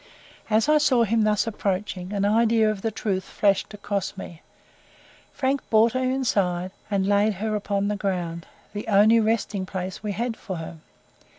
As I saw him thus approaching, an idea of the truth flashed across me. Frank brought her inside, and laid her upon the ground the only resting place we had for her.